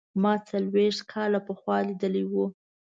ما څلوېښت کاله پخوا لیدلی و.